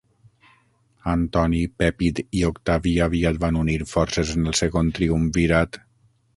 Antoni, Pèpid i Octavi aviat van unir forces en el Segon Triumvirat.